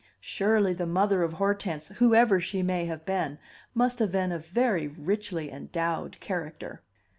Surely the mother of Hortense, whoever she may have been, must have been a very richly endowed character!